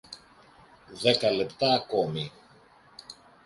Δέκα λεπτά ακόμη